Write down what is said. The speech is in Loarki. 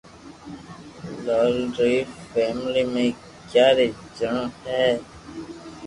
لال ري فيملي مي اگياري جڻو ھي